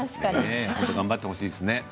頑張ってほしいですね。